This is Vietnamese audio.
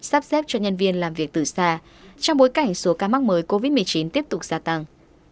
sắp xếp cho nhân viên làm việc từ xa trong bối cảnh số ca mắc mới covid một mươi chín tiếp tục gia tăng